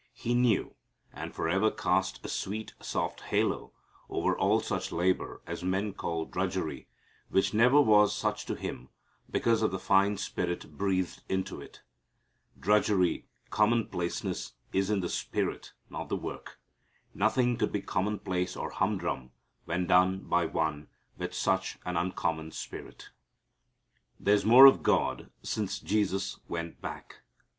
He knew, and forever cast a sweet soft halo over all such labor as men call drudgery, which never was such to Him because of the fine spirit breathed into it. Drudgery, commonplaceness is in the spirit, not the work. Nothing could be commonplace or humdrum when done by One with such an uncommon spirit. There's More of God Since Jesus Went Back.